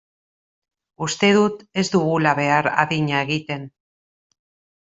Uste dut ez dugula behar adina egiten.